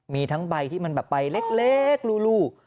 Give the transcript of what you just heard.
มีทั้งใบที่มันแบบใบเล็กรู